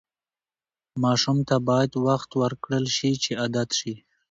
ماشوم ته باید وخت ورکړل شي چې عادت شي.